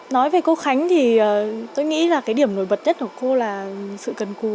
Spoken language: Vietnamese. nói về cô khánh thì tôi nghĩ là cái điểm nổi bật nhất của cô là sự cần cù